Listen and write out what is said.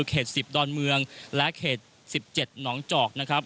เขต๑๐ดอนเมืองและเขต๑๗หนองจอกนะครับ